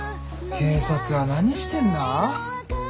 警察は何してんだ？